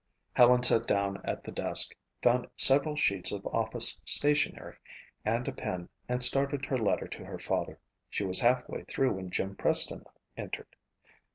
Helen sat down at the desk, found several sheets of office stationery and a pen, and started her letter to her father. She was half way through when Jim Preston entered.